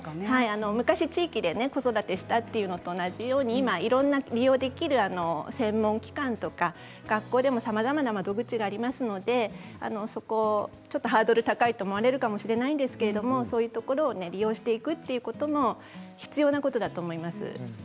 昔は地域で子育てをしたと同じように今はいろいろ利用できる専門機関とか、学校でもさまざまな窓口がありますのでそこをちょっとハードルが高いと思われるかもしれないですけれどそういうところを利用していくということも必要なことだと思います。